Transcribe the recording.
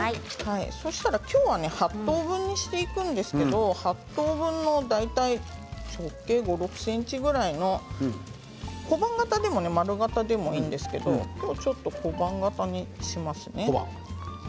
そうしたら今日は８等分にしていくんですけど８等分の大体直径５ｃｍ、６ｃｍぐらいの小判形でも丸形でもいいんですけどちょっと小判形にしますね。